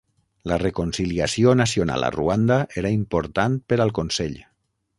La reconciliació nacional a Ruanda era important per al Consell.